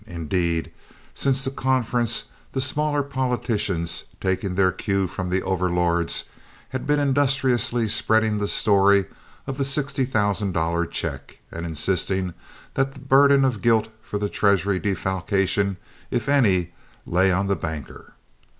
Indeed, since the conference, the smaller politicians, taking their cue from the overlords, had been industriously spreading the story of the sixty thousand dollar check, and insisting that the burden of guilt for the treasury defalcation, if any, lay on the banker.